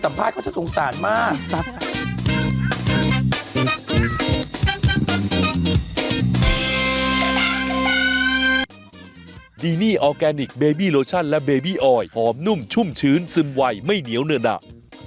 ถ้าเธอต้องเล่าเรื่องที่เธอไปสัมภาษณ์เขาจะสงสารมาก